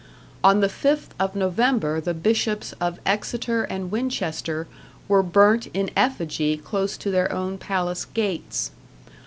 On the 5th of November the Bishops of Exeter and Winchester were burnt in effigy close to their own palace gates.